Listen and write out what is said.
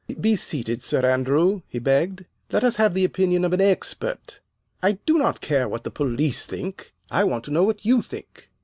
"Be seated, Sir Andrew," he begged. "Let us have the opinion of an expert. I do not care what the police think, I want to know what you think."